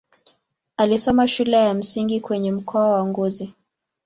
Alisoma shule ya msingi kwenye mkoa wa Ngozi.